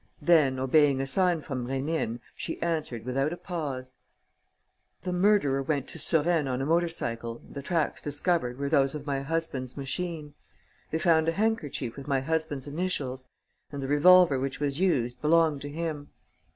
Then, obeying a sign from Rénine, she answered without a pause: "The murderer went to Suresnes on a motorcycle and the tracks discovered were those of my husband's machine. They found a handkerchief with my husband's initials; and the revolver which was used belonged to him.